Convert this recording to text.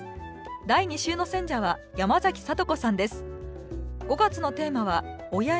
第２週の選者は山崎聡子さんです